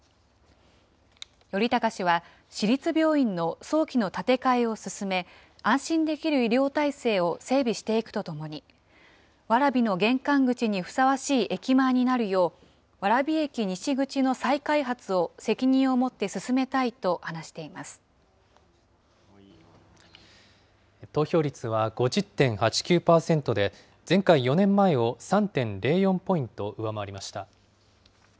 頼高氏は市立病院の早期の建て替えを進め、安心できる医療体制を整備していくとともに、蕨の玄関口にふさわしい駅前になるよう、蕨駅西口の再開発を責任を持って進めたいと投票率は５０．８９％で、前回・４年前を３．０４ポイント上回りました。